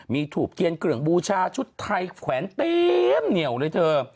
มีถูบเทียนเครื่องบูชาชุดไทยแขวนเต็มเหนียวเลยเธอ